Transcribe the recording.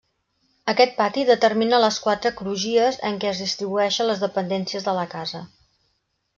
Aquest pati determina les quatre crugies en què es distribueixen les dependències de la casa.